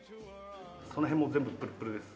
その辺も全部プルップルです。